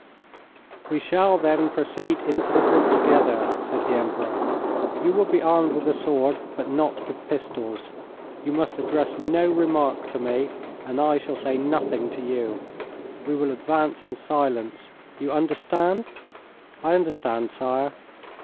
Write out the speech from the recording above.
'We shall then proceed into the wood together,' said the Emperor. 'You will be armed with a sword, but not with pistols. You must address no remark to me, and I shall say nothing to you. We will advance in silence. You understand?' 'I understand, sire.'